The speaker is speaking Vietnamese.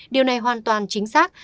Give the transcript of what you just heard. điều này hoàn toàn chính xác